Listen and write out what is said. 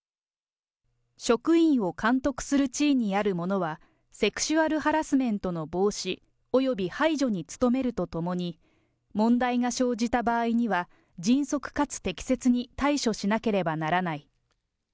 職員を監督する地位にある者は、セクシュアル・ハラスメントの防止および排除に努めるとともに、問題が生じた場合には迅速かつ適切に対処しなければならない。